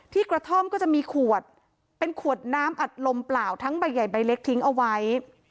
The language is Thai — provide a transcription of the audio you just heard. กระท่อมก็จะมีขวดเป็นขวดน้ำอัดลมเปล่าทั้งใบใหญ่ใบเล็กทิ้งเอาไว้